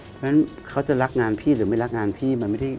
เพราะฉะนั้นเขาจะรักงานพี่หรือไม่รักงานพี่มันไม่ได้